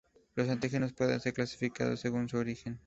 Los antígenos pueden ser clasificados según su origen.